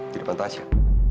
di depan tasya